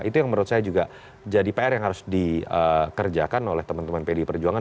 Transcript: itu yang menurut saya juga jadi pr yang harus dikerjakan oleh teman teman pdi perjuangan